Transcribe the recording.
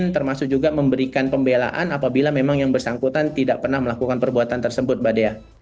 termasuk juga memberikan pembelaan apabila memang yang bersangkutan tidak pernah melakukan perbuatan tersebut mbak dea